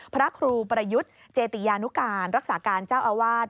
พระครูประยุทธ์เจติยานุการรักษาการเจ้าอาวาส